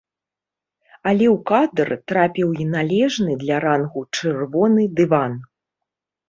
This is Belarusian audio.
Але ў кадр трапіў і належны для рангу чырвоны дыван.